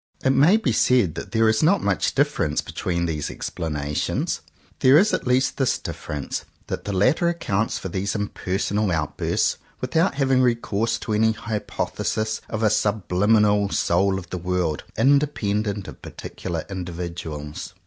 It may be said that there is not much difference between these explanations. There is at least this difference, that the latter accounts for these impersonal out bursts without having recourse to any hypothesis of a subliminal *'soul of_ the world," independent of particular indi viduals.